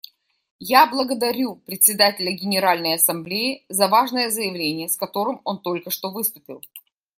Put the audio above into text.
Я благодарю Председателя Генеральной Ассамблеи за важное заявление, с которым он только что выступил.